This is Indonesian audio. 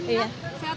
iya terang jakarta